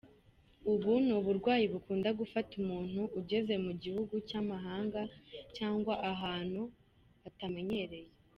Ubu ni uburwayi bukunda gufata umuntu ugeze mu gihugu cy’amahanga cyangwa ahantu atamenyereye.